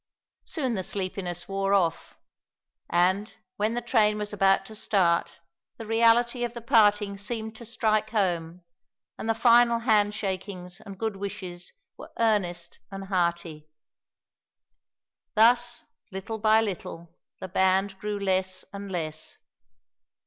Soon the sleepiness wore off, and, when the train was about to start, the reality of the parting seemed to strike home, and the final handshakings and good wishes were earnest and hearty. Thus, little by little, the band grew less and less.